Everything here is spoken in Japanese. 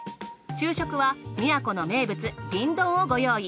昼食は宮古の名物瓶ドンをご用意。